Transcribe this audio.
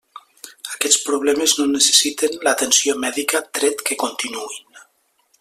Aquests problemes no necessiten l'atenció mèdica tret que continuïn.